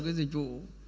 cái dịch vụ